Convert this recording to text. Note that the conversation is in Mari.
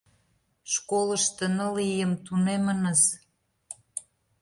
Школышто ныл ийым тунемыныс.